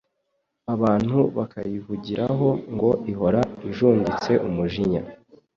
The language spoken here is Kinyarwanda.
abantu bakayivugiraho ngo ihora ijunditse umujinya